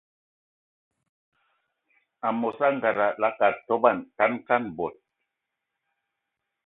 Amos angada akad togan kan kan bod.